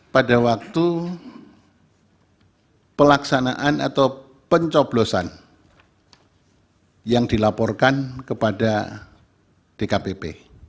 pada waktu pelaksanaan atau pencoblosan yang dilaporkan kepada dkpp